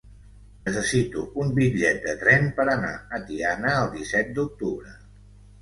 Necessito un bitllet de tren per anar a Tiana el disset d'octubre.